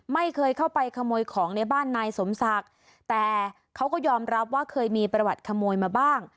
ไม่เคยเข้าไปขโมยของในบ้านนายสมศักดิ์แต่เขาก็ยอมรับว่าเคยมีประวัติขโมยมาบ้าง